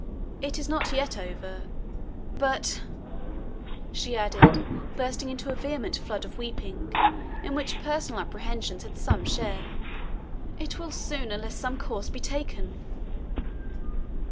It is not yet over but," she added, bursting into a vehement flood of weeping, in which personal apprehensions had some share, "it will soon, unless some course be taken."